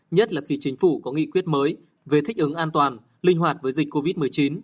nhất là khi chính phủ có nghị quyết mới về thích ứng an toàn linh hoạt với dịch covid một mươi chín